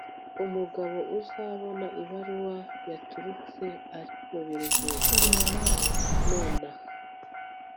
Umugabo uzabona ibaruwa yaturutse ari mubiruhuko nonaha